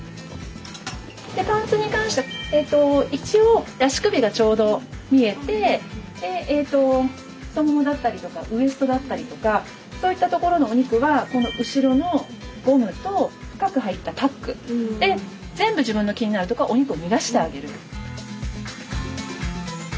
でパンツに関しては一応足首がちょうど見えて太ももだったりとかウエストだったりとかそういったところのお肉はこの後ろのゴムと深く入ったタックで全部自分の気になるところはお肉を逃がしてあげる。